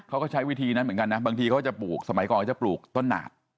เขาก็ใช้วิธีนั้นเหมือนกันนะบางทีเขาจะปลูกสมัยก่อนเขาจะปลูกต้นหนา